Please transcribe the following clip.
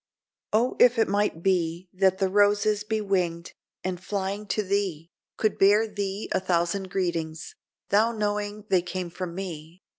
_) "Oh, if it might be that the roses Be winged, and flying to thee, Could bear thee a thousand greetings,— Thou knowing they came from me!